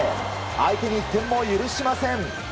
相手に点を許しません。